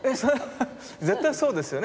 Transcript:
絶対そうですよね。